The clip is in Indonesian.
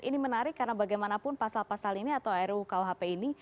ini menarik karena bagaimanapun pasal pasal ini atau rukuhp ini